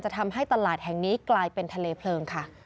ทำให้ตลาดแห่งนี้กลายเป็นทะเลเพลิงค่ะ